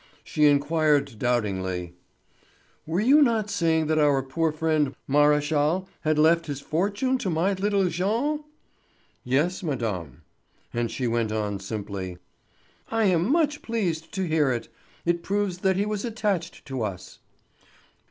She inquired doubtingly: "Were you not saying that our poor friend Maréchal had left his fortune to my little Jean?" "Yes, madame." And she went on simply: "I am much pleased to hear it; it proves that he was attached to us."